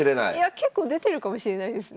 結構出てるかもしれないですね。